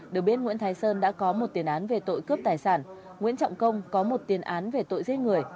được biết nguyễn thái sơn đã có một tiền án về tội cướp tài sản nguyễn trọng công có một tiền án về tội giết người